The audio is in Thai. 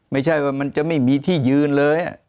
ไม่ใช่ว่ามันจะไม่มีที่ยืนเลย